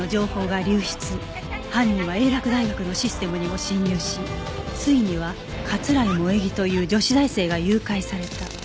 犯人は英洛大学のシステムにも侵入しついには桂井萌衣という女子大生が誘拐された